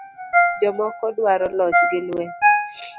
Jomoko dwaro loch gi lweny